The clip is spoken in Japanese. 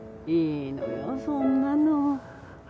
いいのよそんなの。